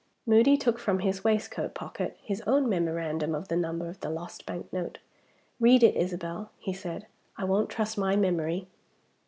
Moody took from his waistcoat pocket his own memorandum of the number of the lost bank note. "Read it Isabel," he said. "I won't trust my memory."